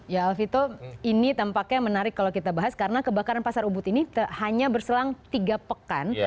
ya alfito ini tampaknya menarik kalau kita bahas karena kebakaran pasar ubud ini hanya berselang tiga pekan